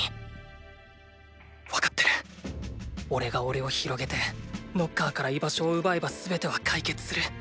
わかってるおれがおれを広げてノッカーから居場所を奪えば全ては解決する。